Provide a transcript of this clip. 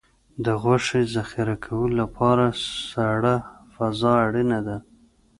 د غوښې ذخیره کولو لپاره سړه فضا اړینه ده.